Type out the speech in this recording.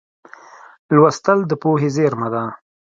لوستل د پوهې زېرمه ده.